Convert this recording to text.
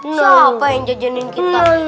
siapa yang jajanin kita